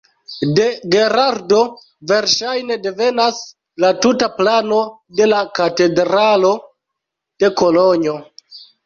De Gerardo verŝajne devenas la tuta plano de la katedralo de Kolonjo.